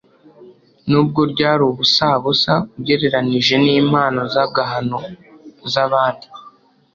nubwo ryari ubusa busa ugereranije n'impano z'agahano z'abandi,